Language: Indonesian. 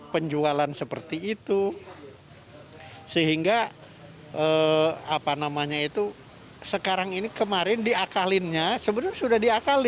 penjualan seperti itu sehingga apa namanya itu sekarang ini kemarin diakalin nya sebetulnya sudah